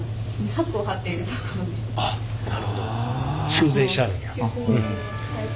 修繕してはるんや。